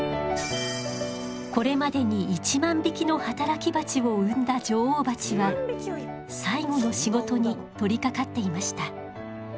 これまでに１万匹の働き蜂を産んだ女王蜂は最後の仕事に取りかかっていました。